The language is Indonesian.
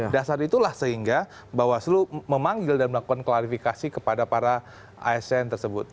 dasar itulah sehingga bawaslu memanggil dan melakukan klarifikasi kepada para asn tersebut